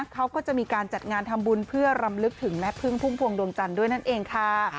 เขาก็จะมีการจัดงานทำบุญเพื่อรำลึกถึงแม่พึ่งพุ่มพวงดวงจันทร์ด้วยนั่นเองค่ะ